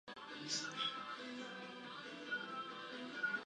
Unas tres mil familias poseían la mitad de la tierra en Siria.